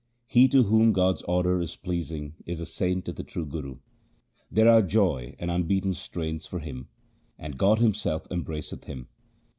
He to whom God's order is pleasing is a saint of the true Guru ; There are joy and unbeaten strains for him, and God Himself embraceth him.